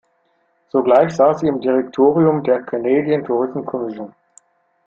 Zugleich saß sie im Direktorium der "Canadian Tourism Commission".